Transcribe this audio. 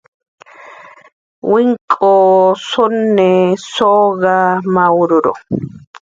wink'u, suni , suqa , mawruru